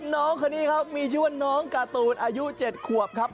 น้องคนนี้ครับมีชื่อว่าน้องการ์ตูนอายุ๗ขวบครับ